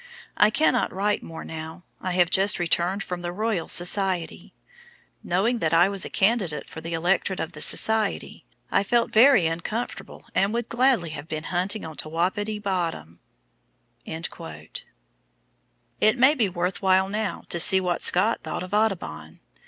I cannot write more now. I have just returned from the Royal Society. Knowing that I was a candidate for the electorate of the society, I felt very uncomfortable and would gladly have been hunting on Tawapatee Bottom." It may be worth while now to see what Scott thought of Audubon.